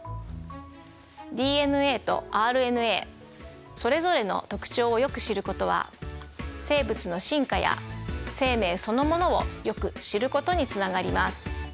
ＤＮＡとＲＮＡそれぞれの特徴をよく知ることは生物の進化や生命そのものをよく知ることにつながります。